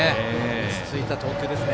落ち着いた投球ですね